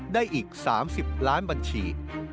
ได้อีก๓๐ล้านบัญชี